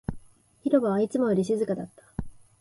広場はいつもよりも静かだった